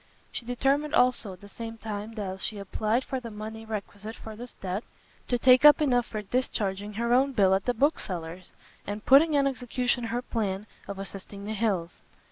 She determined also at the same time that she applied for the money requisite for this debt, to take up enough for discharging her own bill at the bookseller's, and putting in execution her plan of assisting the Hills.